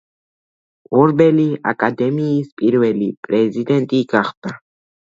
ორბელი აკადემიის პირველი პრეზიდენტი გახდა.